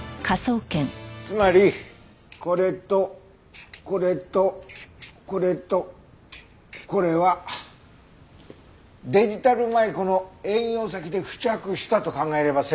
つまりこれとこれとこれとこれはデジタル舞子の営業先で付着したと考えれば説明がつくね。